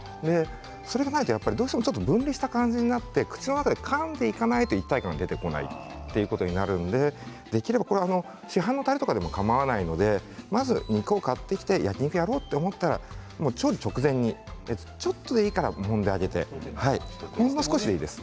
それがないとどうしても分離した感じになって口の中でかんでいかないと、一体感が出てこないということになるのでできれば市販のタレでもかまわないのでまず肉を買って焼き肉をやろうと思ったら調理直前にちょっとでいいからもんであげてほんの少しでいいです。